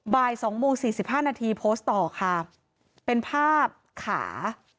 บ่าย๒โมง๔๕นาทีโพสต์ต่อค่ะเป็นภาพขา